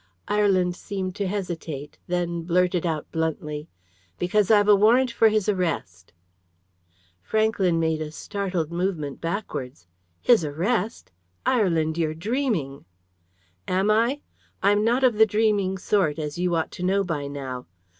Ireland seemed to hesitate. Then blurted out bluntly "Because I've a warrant for his arrest." Franklyn made a startled movement backwards. "His arrest! Ireland, you're dreaming!" "Am I? I'm not of a dreaming sort, as you ought to know by now.